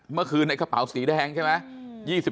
เมื่อคืนในกระเป๋าสีแดงใช่ไหม